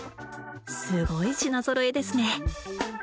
すごい品ぞろえですね。